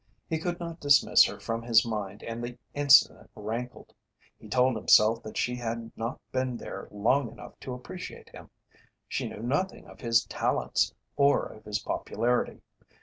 He could not dismiss her from his mind and the incident rankled. He told himself that she had not been there long enough to appreciate him; she knew nothing of his talents or of his popularity.